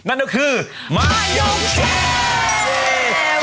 นั่นก็คือมะย่องชิด